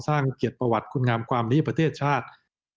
สร้างเกียรติประวัติคุณงามความดีประเทศชาติ